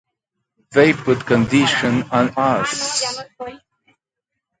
They put conditions on us.